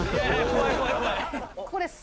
「ここです！